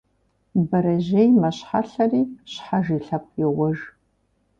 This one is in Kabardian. Бэрэжьей мэщхьэлъэри щхьэж и лъэпкъ йоуэж.